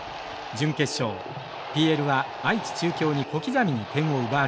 ＰＬは愛知中京に小刻みに点を奪われます。